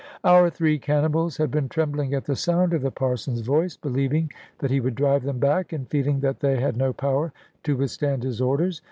Our three cannibals had been trembling at the sound of the Parson's voice, believing that he would drive them back, and feeling that they had no power to withstand his orders.